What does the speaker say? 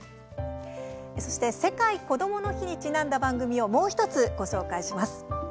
そして「世界こどもの日」にちなんだ番組をもう１つご紹介します。